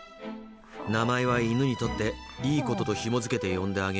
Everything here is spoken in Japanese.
名前は犬にとっていいこととひも付けて呼んであげよう。